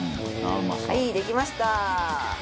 はいできました！